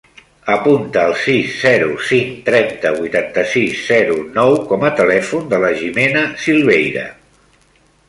Apunta el sis, zero, cinc, trenta, vuitanta-sis, zero, nou com a telèfon de la Jimena Silveira.